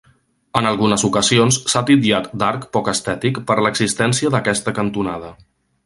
En algunes ocasions s'ha titllat d'arc poc estètic per l'existència d'aquesta cantonada.